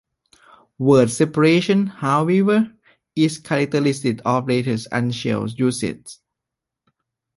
Word separation, however, is characteristic of later uncial usage.